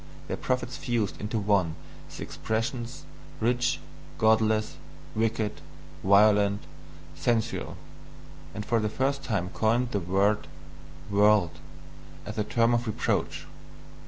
Their prophets fused into one the expressions "rich," "godless," "wicked," "violent," "sensual," and for the first time coined the word "world" as a term of reproach.